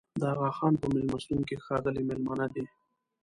د اغاخان په مېلمستون کې ښاغلي مېلمانه دي.